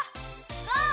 ゴー！